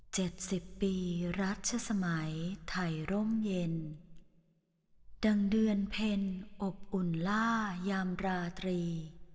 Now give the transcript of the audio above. สิบปีรัชสมัยไทยร่มเย็นดังเดือนเพ็ญอบอุ่นล่ายามราตรี